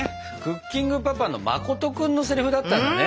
「クッキングパパ」のまこと君のセリフだったんだね。